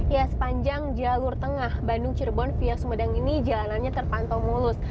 ya sepanjang jalur tengah bandung cirebon via sumedang ini jalanannya terpantau mulus